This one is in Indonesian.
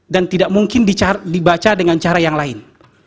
dan tidak mungkin dibaca dengan cara yang lain